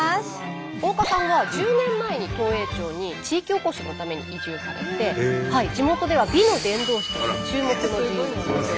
大岡さんは１０年前に東栄町に地域おこしのために移住されて地元では美の伝道師として注目の人物です。